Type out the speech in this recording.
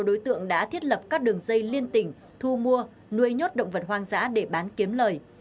đối tượng đã thiết lập các đường dây liên tỉnh thu mua nuôi nhốt động vật hoang dã để bán kiếm lời